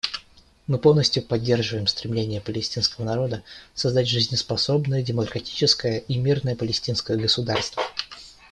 Мы полностью поддерживаем стремление палестинского народа создать жизнеспособное, демократическое и мирное палестинское государство.